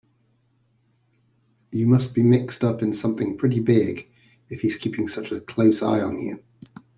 You must be mixed up in something pretty big if he's keeping such a close eye on you.